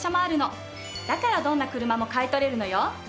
だからどんな車も買い取れるのよ。